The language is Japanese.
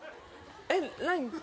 えっ何？